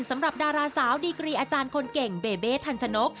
สำหรับดาราสาวดีกรีอาจารย์คนเก่งเบเบทันชนก